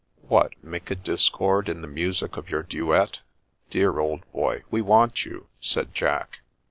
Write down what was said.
"What, make a discord in the music of your duet?" " Dear old boy, we want you," said Jack.